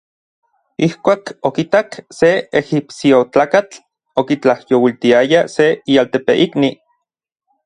Ijkuak okitak se ejipsiojtlakatl okitlajyouiltiaya se ialtepeikni.